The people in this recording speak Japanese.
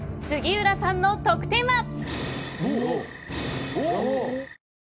杉浦さんの得点は。